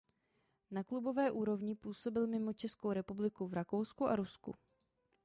Na klubové úrovni působil mimo Českou republiku v Rakousku a Rusku.